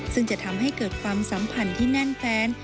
ซึ่งจะทำให้เกิดความสัมพันธ์ที่แน่นแฟน